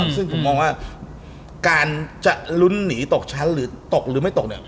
ซึ่งผมมองว่าการจะลุ้นหนีตกชั้นหรือตกหรือไม่ตก